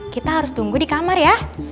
kita harus tunggu di kamar ya